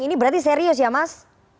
ini berarti serius ya mas